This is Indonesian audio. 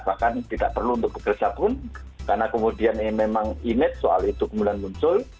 bahkan tidak perlu untuk bekerja pun karena kemudian memang image soal itu kemudian muncul